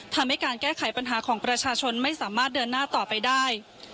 ทำให้การแก้ไขปัญหาของประชาชนไม่สามารถเดินหน้าต่อไปได้